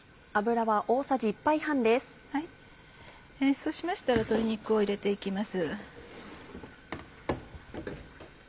そうしましたら鶏肉を入れて行きます。